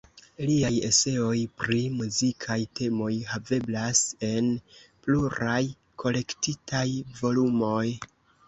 Liaj eseoj pri muzikaj temoj haveblas en pluraj kolektitaj volumoj.